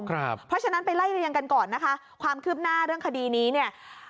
เพราะฉะนั้นไปไล่เรียงกันก่อนนะคะความคืบหน้าเรื่องคดีนี้เนี่ย